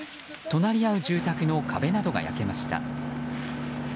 隣り合う住宅の壁などが焼けました。